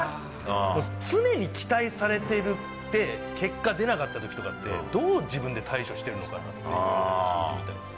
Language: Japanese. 常に期待されているって、結果出なかったときとかって、どう自分で対処してるのかなって聞いてみたいですね。